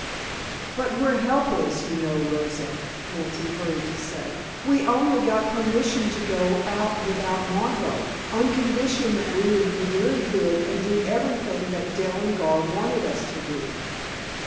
"But we're helpless, you know, Rosa," Nancy hurried to say. "We only got permission to go out without Margot, on condition that we would be very good and do everything that Dell and Gar wanted us to do."